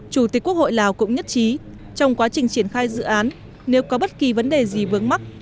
chủ tịch quốc hội lào cũng nhất trí trong quá trình triển khai dự án nếu có bất kỳ vấn đề gì vướng mắt